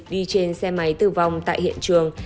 đi trên xe máy tử vong tại hiện trường